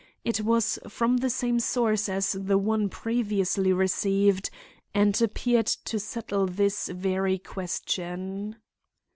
It was from the same source as the one previously received and appeared to settle this very question.